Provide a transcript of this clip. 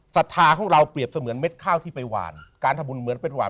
ศรัทธาของเราเปรียบเสมือนเม็ดข้าวที่ไปหวานการทำบุญเหมือนเป็นหวาน